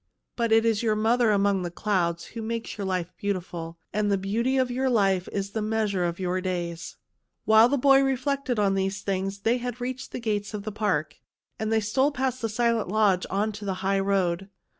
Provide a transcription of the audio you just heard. "But it is your mother among the clouds who makes your life beautiful, and the beauty of your life is the measure of your days." While the boy reflected on thJte things they had reached the gates of the park, and they stole past the silent lodge on to the high road.